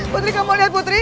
putri kamu lihat putri